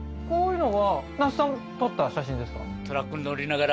こういうのが那須さん撮った写真ですか？